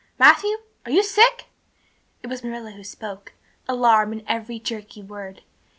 Matthew, are you sick?" It was Marilla who spoke, alarm in every jerky word.